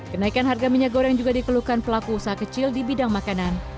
kenaikan harga minyak goreng juga dikeluhkan pelaku usaha kecil di bidang makanan